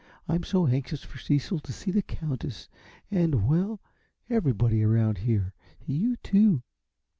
I'm so anxious for Cecil to see the Countess and well, everybody around here. You, too."